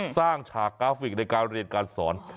ฉากกราฟิกในการเรียนการสอน